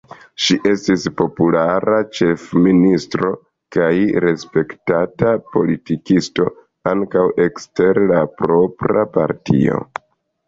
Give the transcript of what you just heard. Ŝi estis populara ĉefministro kaj respektata politikisto ankaŭ ekster la propra partio.